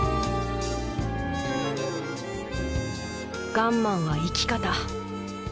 ガンマンは生き方